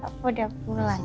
papa udah pulang